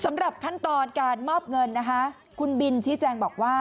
สำหรับขั้นตอนการมอบเงินนะคะคุณบินชี้แจงบอกว่า